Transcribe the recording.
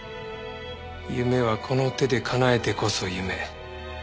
夢はこの手で叶えてこそ夢。